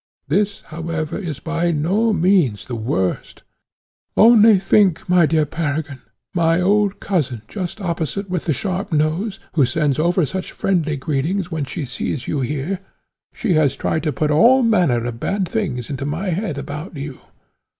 This, however, is by no means the worst; only think, my dear Peregrine, my old cousin just opposite with the sharp nose, who sends over such friendly greetings when she sees you here, she has tried to put all manner of bad things into my head about you.